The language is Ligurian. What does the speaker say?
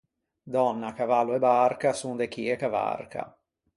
Dònna, cavallo e barca, son de chi ê cavarca.